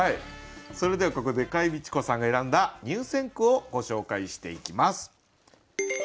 それではここで櫂未知子さんが選んだ入選句をご紹介していきます。